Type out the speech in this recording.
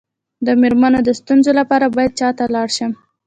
د میرمنو د ستونزو لپاره باید چا ته لاړ شم؟